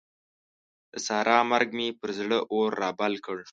د سارا مرګ مې پر زړه اور رابل کړ.